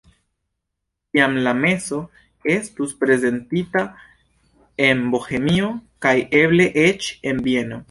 Tiam la meso estus prezentita en Bohemio kaj eble eĉ en Vieno.